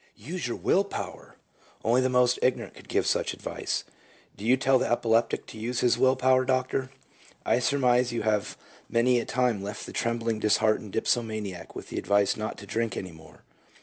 "' Use your will power !' Only the most ignorant could give such advice. Do you tell the epileptic to use his will power, Doctor ? I surmise you have many a time left the trembling, disheartened dipsomaniac with the advice not to drink any more.